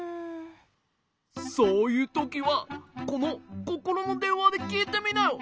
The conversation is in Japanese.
そういうときはこのココロのでんわできいてみなよ！